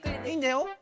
いいんだよ。